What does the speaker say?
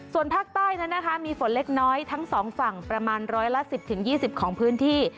ส่วนภาคใต้นั้นนะคะมีฝนเล็กน้อยทั้งสองฝั่งประมาณร้อยละ๑๐๒๐ของพื้นที่